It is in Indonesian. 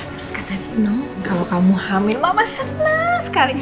terus kata dino kalau kamu hamil mama senang sekali